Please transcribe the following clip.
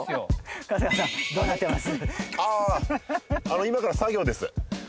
春日さんどうなってます？